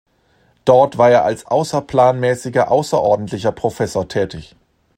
Dort war er als außerplanmäßiger außerordentlicher Professor tätig.